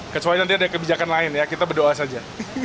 kecuali nanti ada kebijakan lain ya kita berdoa saja